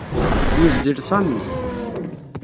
Yuzzel Sami.